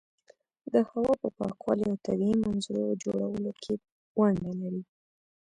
د هوا په پاکوالي او طبیعي منظرو جوړولو کې ونډه لري.